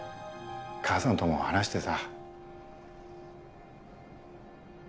母さんとも話してさ。